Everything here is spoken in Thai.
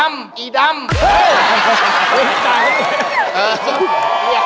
คนตายจริง